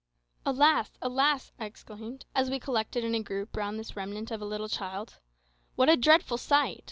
"Alas! alas!" I exclaimed, as we collected in a group round this remnant of a little child, "what a dreadful sight!